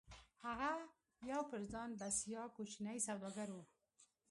هغه يو پر ځان بسيا کوچنی سوداګر و.